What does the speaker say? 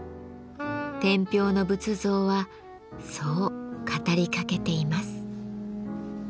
天平の仏像はそう語りかけています。